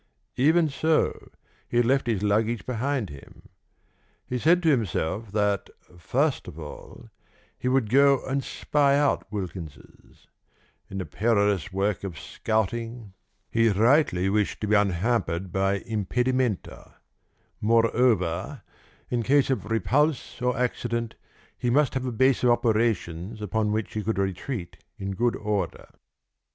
Even so, he had left his luggage behind him. He said to himself that, first of all, he would go and spy out Wilkins's; in the perilous work of scouting he rightly wished to be unhampered by impedimenta; moreover, in case of repulse or accident, he must have a base of operations upon which he could retreat in good order.